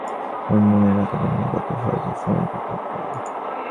অন্য মেয়েরা তাকে নিয়ে কত সহজে সামাজিকতা করে।